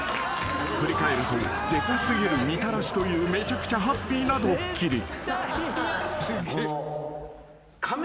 ［振り返るとでか過ぎるみたらしというめちゃくちゃハッピーなドッキリ］